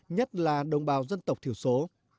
nhất là đồng bào dân tộc thiểu số